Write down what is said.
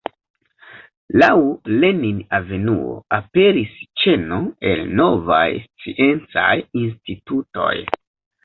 Laŭ Lenin-avenuo aperis ĉeno el novaj sciencaj institutoj.